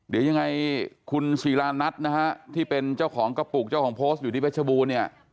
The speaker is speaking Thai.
เดี๋ยวยังไงคุณศิรานัทนะฮะที่เป็นเจ้าของกระปุกเจ้าของโพสต์อยู่ที่เพชรบูรณ์เนี่ย